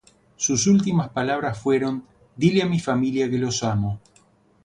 Sus últimas palabras fueron: "Dile a mi familia que los amo.